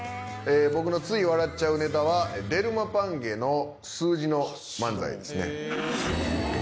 僕のつい笑っちゃうネタは、デルマパンゲの数字の漫才ですね。